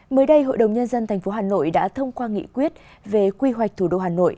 mới đây hội đồng nhân dân tp hà nội đã thông qua nghị quyết về quy hoạch thủ đô hà nội